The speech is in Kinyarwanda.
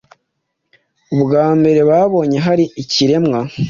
Ubwa mbere babonye hari ikiremwa